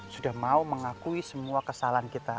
sudah mau mengakui semua kesalahan kita